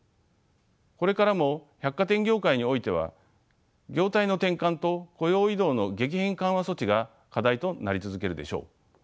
これからも百貨店業界においては業態の転換と雇用移動の激変緩和措置が課題となり続けるでしょう。